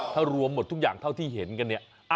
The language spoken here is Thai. ถ้ารวมหมดทุกอย่างเท่าที่เห็นกันเนี่ย